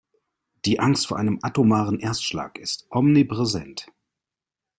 Die Angst vor einem atomaren Erstschlag ist omnipräsent.